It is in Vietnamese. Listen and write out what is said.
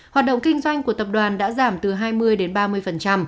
hoạt động kinh doanh của tập đoàn đã giảm từ hai mươi đến ba mươi